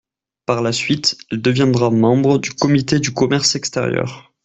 Par la suite elle deviendra membre du comité du commerce extérieur.